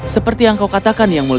seperti yang kau katakan